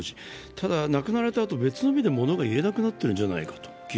ただ、亡くなられた後、別の意味でものが言えなくなっているんじゃないか。